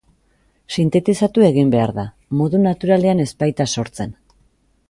Sintetizatu egin behar da, modu naturalean ez baita sortzen.